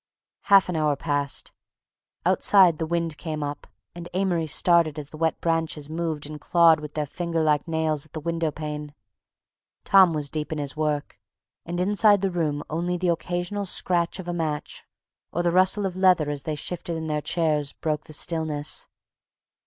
Half an hour passed. Outside the wind came up, and Amory started as the wet branches moved and clawed with their finger nails at the window pane. Tom was deep in his work, and inside the room only the occasional scratch of a match or the rustle of leather as they shifted in their chairs broke the stillness.